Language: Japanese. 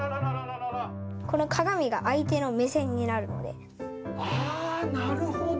この鏡が相手の目線になるのあー、なるほど。